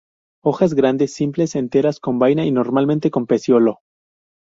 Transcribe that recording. Hojas grandes, simples, enteras, con vaina y normalmente con pecíolo.